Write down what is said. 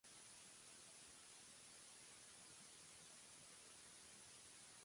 Nanwlɛ, mi niaan mun, n yo amun mo dan.